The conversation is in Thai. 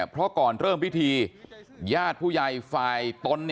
เพราะก่อนเริ่มพิธีญาติผู้ใหญ่ฝ่ายตน